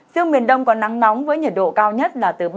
riêng miền đông còn nắng nóng với nhiệt độ cao nhất